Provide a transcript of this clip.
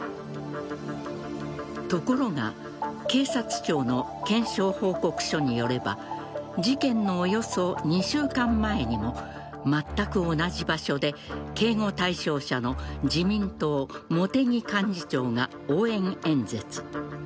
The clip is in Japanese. ところが警察庁の検証報告書によれば事件のおよそ２週間前にもまったく同じ場所で警護対象者の自民党・茂木幹事長が応援演説。